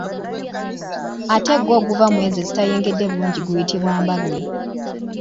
Ate gwo oguva mu ezo ezitayengedde bulungi guyitibwa mbalule.